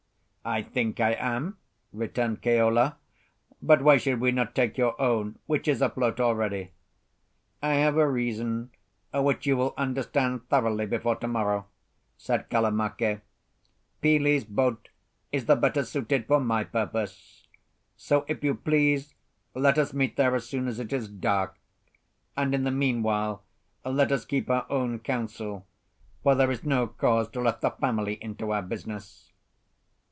"I think I am," returned Keola. "But why should we not take your own, which is afloat already?" "I have a reason which you will understand thoroughly before to morrow," said Kalamake. "Pili's boat is the better suited for my purpose. So, if you please, let us meet there as soon as it is dark; and in the meanwhile, let us keep our own counsel, for there is no cause to let the family into our business."